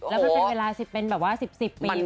แล้วมันเป็นเวลาเป็นแบบว่า๑๐๑๐ปีคุณผู้ชม